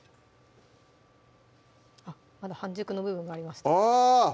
まだ半熟の部分がありましたあ！